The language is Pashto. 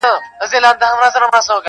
نن په څشي تودوې ساړه رګونه-